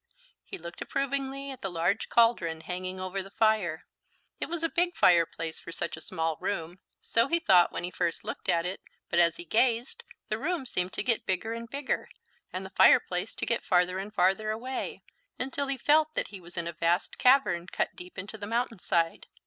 He looked approvingly at the large cauldron hanging over the fire. It was a big fireplace for such a small room. So he thought when he first looked at it, but as he gazed, the room seemed to get bigger and bigger, and the fireplace to get farther and farther away, until he felt that he was in a vast cavern cut deep into the mountainside.